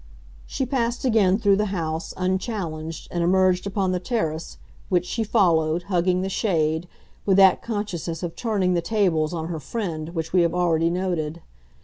She passed again through the house, unchallenged, and emerged upon the terrace, which she followed, hugging the shade, with that consciousness of turning the tables on her friend which we have already noted.